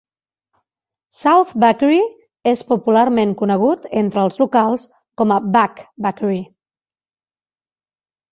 South Vacherie és popularment conegut entre els locals com a Back Vacherie.